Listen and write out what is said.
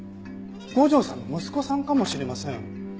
五条さんの息子さんかもしれません。